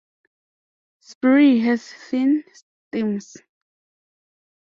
Sprue has thin stems.